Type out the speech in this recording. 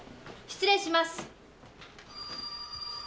失礼します。